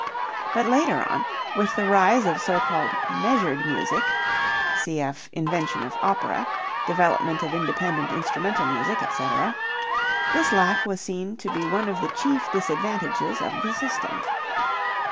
But later on with the rise of so called "measured music" (cf. invention of opera, development of independent instrumental music, etc.), this lack was seen to be one of the chief disadvantages of the system.